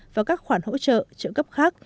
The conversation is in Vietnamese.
và các khoản hỗ trợ trợ cấp khác